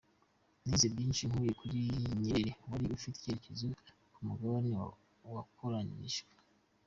Nize byinshi nkuye kuri Nyerere, wari ufite icyerekezo ku mugabane wakoronijwe.